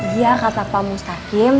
iya kata pak mustaqim